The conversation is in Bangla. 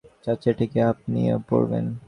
চাচা, এটা কি আপনিও পড়বেন?